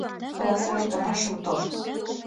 Каласаш гына шым тошт.